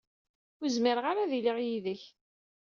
Ur zmireɣ ara ad iliɣ yid-k.